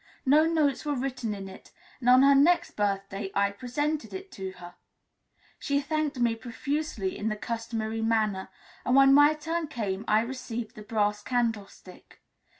No notes were written in it, and on her next birthday I presented it to her; she thanked me profusely in the customary manner, and when my turn came I received the brass candlestick.